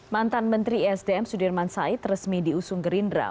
mantan menteri esdm sudirman said resmi diusung gerindra